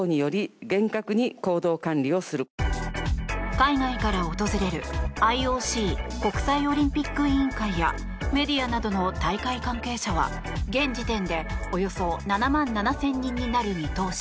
海外から訪れる、ＩＯＣ・国際オリンピック委員会やメディアなどの大会関係者は現時点でおよそ７万７０００人になる見通し。